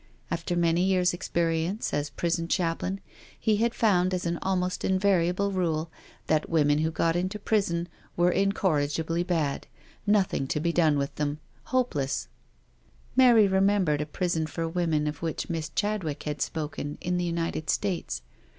After many years' (experience as prison chaplain he had found as an almost invariable rule, that women who got into prison were incorrigibly bad — nothing to be done with them — hopeless I Mary remembered a prison for women of which Miss m THE PUNISHMENT CELL 271 Chadwick had spokenj in the United States.